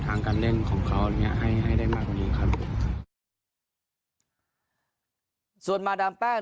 ทางการเล่นของเขาเนี้ยให้ให้ได้มากกว่านี้ครับผมส่วนมาดามแป้ง